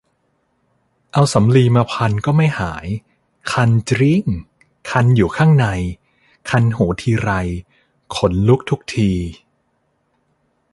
เอาสำลีมาพันก็ไม่หาย คันจริ๊ง คันอยู่ข้างใน คันหูทีไรขนลุกทุกที